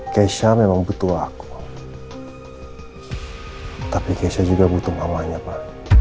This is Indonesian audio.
keisha memang butuh aku tapi keisha juga butuh mamanya pak